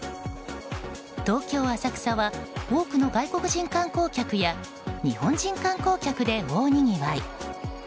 東京・浅草は多くの外国人観光客や日本人観光客で大にぎわい。